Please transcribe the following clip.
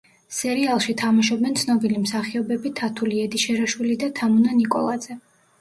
სერიალში თამაშობენ ცნობილი მსახიობები თათული ედიშერაშვილი და თამუნა ნიკოლაძე.